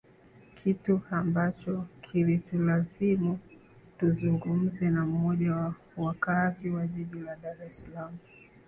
kitu ambacho kilitulazimu tuzungumze na mmoja wa wakaazi wa jiji la dar es salaam